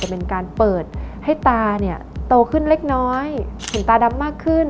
เป็นการเปิดให้ตาเนี่ยโตขึ้นเล็กน้อยเห็นตาดำมากขึ้น